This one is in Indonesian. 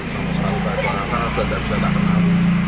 semua sekali pak karena tidak bisa dikenali